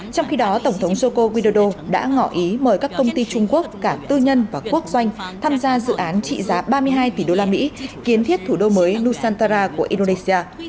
trong khi đó tổng thống joko widodo đã ngỏ ý mời các công ty trung quốc cả tư nhân và quốc doanh tham gia dự án trị giá ba mươi hai tỷ usd kiến thiết thủ đô mới nusantara của indonesia